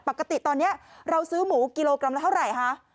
ปกติตอนนี้เราซื้อหมูกิโลกรัมละเท่าไหร่คะ